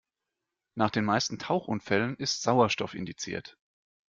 Nach den meisten Tauchunfällen ist Sauerstoff indiziert.